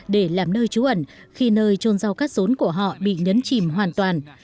để làm nơi trú ẩn khi nơi trôn rau cát rốn của họ bị nhấn chìm hoàn toàn